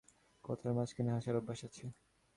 কথার মাঝখানে হাসার অভ্যাস আছে।